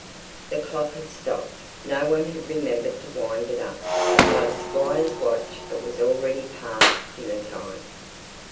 The clock had stopped, no one had remembered to wind it up, but by the squire's watch it was already past dinner time.